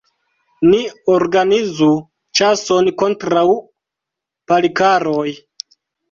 Ni organizu ĉason kontraŭ Palikaroj!